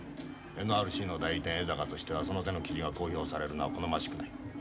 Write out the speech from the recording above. ＮＲＣの代理店江坂としてはその手の記事が公表されるのは好ましくない。